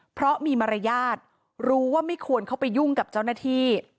เพราะมีมารยาทรู้ว่าไม่ควรเข้าไปยุ่งกับเจ้าหน้าที่